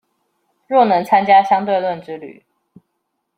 若能參加相對論之旅